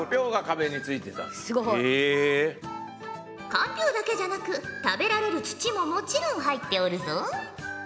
かんぴょうだけじゃなく食べられる土ももちろん入っておるぞ！